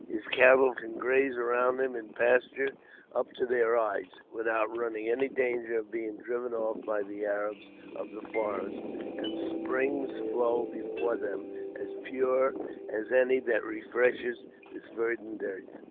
His cattle can graze around him in pasture up to their eyes, without running any danger of being driven off by the Arabs of the forest, and springs flow before them as pure as any that refreshes this verdant earth.